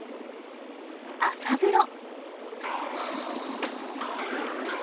朝風呂。